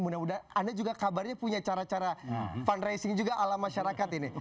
mudah mudahan anda juga kabarnya punya cara cara fundraising juga ala masyarakat ini